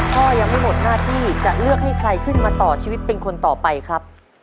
พ่อยังไม่หมดหน้าที่จะเลือกให้ใครขึ้นมาต่อชีวิตเป็นคนต่อไปครับ